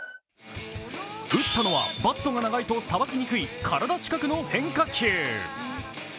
打ったのはバットが長いとさばきにくい体近くの変化球。